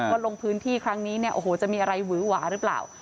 ลงพื้นที่ครั้งนี้เนี่ยโอ้โหจะมีอะไรหวือหวาหรือเปล่า